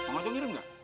kamu aja ngirim gak